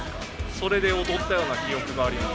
それで踊ったような記憶があります。